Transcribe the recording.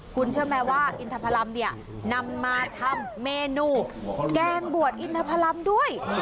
คุณเชื่อแม่ว่าอินทรัพย์ลำนำมาทำเมนูแกงบวดอินทรัพย์ลำด้วย